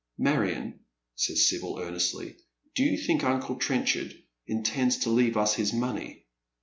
" Marion," says Sibyl, earnestly, "do you think uncle Trenchard intends to leave us his money